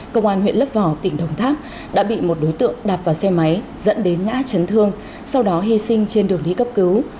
công an huyện lấp vò tỉnh đồng tháp đã bị một đối tượng đạp vào xe máy dẫn đến ngã chấn thương sau đó hy sinh trên đường đi cấp cứu